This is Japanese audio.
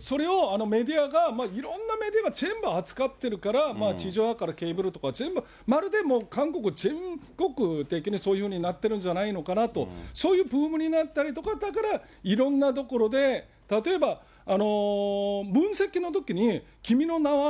それをメディアがいろんなメディアが全部扱ってるから、地上波からケーブルから、全部まるでもう韓国全国的にそういうふうになってるんじゃないのかなと、そういうブームになったりとか、いろんなところで、例えば、ムン政権のときに、君の名は。